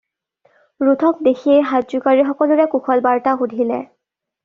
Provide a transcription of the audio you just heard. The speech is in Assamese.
ৰুথক দেখিয়েই হাত জোকাৰি সকলোৰে কুশল বাৰ্ত্তা শুধিলে।